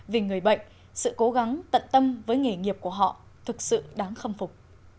vì người bệnh sự cố gắng tận tâm với nghề nghiệp của họ thực sự đáng khâm phục